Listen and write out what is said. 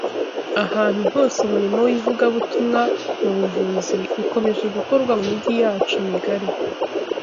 Ahantu hose umurimo w’ivugabutumwa mu buvuzi ukomeje gukorwa mu mijyi yacu migari